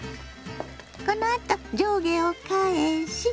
このあと上下を返し